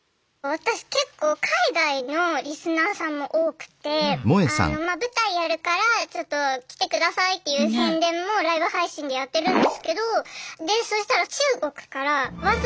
私結構海外のリスナーさんも多くて舞台やるからちょっと来てくださいっていう宣伝もライブ配信でやってるんですけどそしたら中国からわざわざ来てくれたんです。